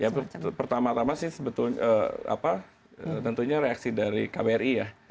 ya pertama tama sih sebetulnya reaksi dari kbri ya